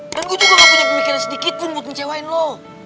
dan gue juga gak punya pemikiran sedikit pun buat ngecewain lu